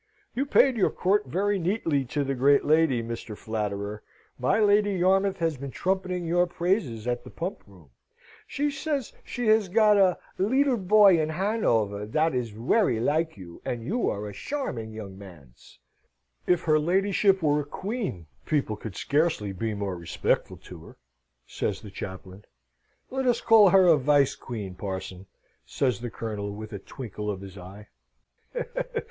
"You paid your court very neatly to the great lady, Mr. Flatterer. My Lady Yarmouth has been trumpeting your praises at the Pump Room. She says she has got a leedel boy in Hannover dat is wery like you, and you are a sharming young mans." "If her ladyship were a queen, people could scarcely be more respectful to her," says the chaplain. "Let us call her a vice queen, parson," says the Colonel, with a twinkle of his eye.